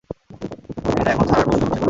এটা এখন ছাড়ার প্রশ্নই উঠছে না!